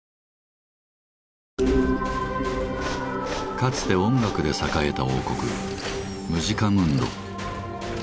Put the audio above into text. かつて音楽で栄えた王国「ムジカムンド」。